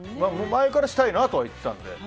前からしたいなとは言っていたので。